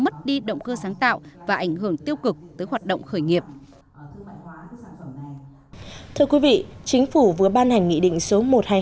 thưa quý vị chính phủ vừa ban hành nghị định số một trăm hai mươi hai